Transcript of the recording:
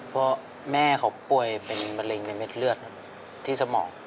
เพราะแม่เขาป่วยเป็นมะเร็งในเม็ดเลือดครับที่สมอง